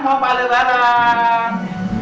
selamat datang kembali ke barang